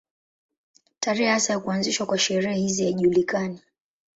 Tarehe hasa ya kuanzishwa kwa sherehe hizi haijulikani.